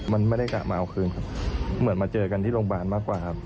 มันไม่ได้กลับมาเอาคืนครับเหมือนมาเจอกันที่โรงพยาบาลมากกว่าครับ